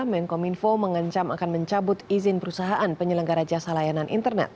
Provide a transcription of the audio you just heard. menkom info mengencam akan mencabut izin perusahaan penyelenggara jasa layanan internet